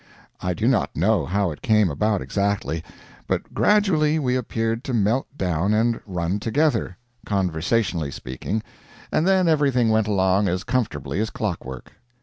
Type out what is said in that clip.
I do not know how it came about exactly, but gradually we appeared to melt down and run together, conversationally speaking, and then everything went along as comfortably as clockwork.